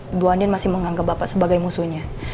ibu andin masih menganggap bapak sebagai musuhnya